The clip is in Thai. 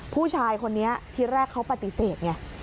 ผู้ชายคนนี้ที่แรกเขาปฏิเสธไง